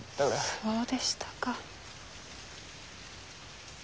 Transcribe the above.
そうでしたか。